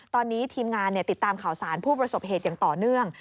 ตอนนี้ทีมงานติดตามข่าวสารผู้ประสบเหตุอย่างต่อเนื่อง